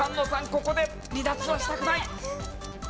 ここで離脱はしたくない。